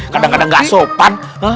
kadang kadang gak sopan